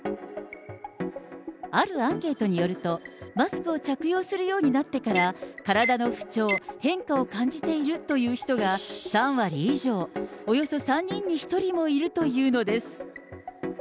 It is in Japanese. あるアンケートによると、マスクを着用するようになってから、体の不調、変化を感じているという人が３割以上、およそ３人に１人もいるというのです。